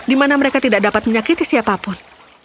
di mana mereka tidak dapat menyakiti siapapun